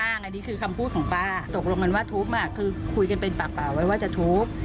อันนี้คือคำพูดของป้าตกลงกันว่าทุบคือคุยกันเป็นปากไว้ว่าจะทุบ